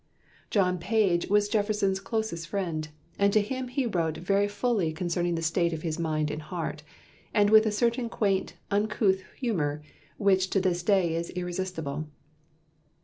John Page was Jefferson's closest friend, and to him he wrote very fully concerning the state of his mind and heart, and with a certain quaint, uncouth humour, which to this day is irresistible.